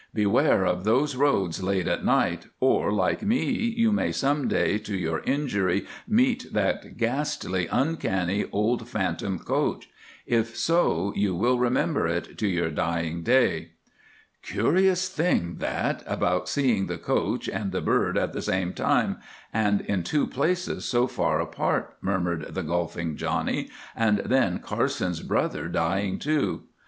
Beware of those roads late at night, or, like me, you may some day to your injury meet that ghastly, uncanny, old phantom coach. If so, you will remember it to your dying day." "Curious thing that about seeing the coach and the bird at the same time, and in two places so far apart," murmured the golfing Johnny, "and then Carson's brother dying too."